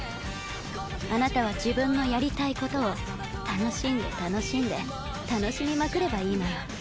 あなたは自分のやりたいことを楽しんで楽しんで楽しみまくればいいのよ。